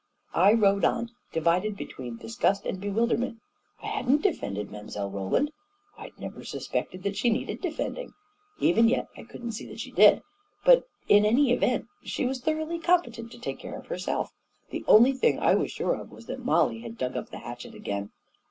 I rode on, divided between disgust and bewilder ment I hadn't defended Mile. Roland — I had never suspected that she needed defending! Even yet I couldn't see that she did; but in any event, she was thoroughly competent to take care of her self. The only thing I was sure of was that Mollie had dug up the hatchet again.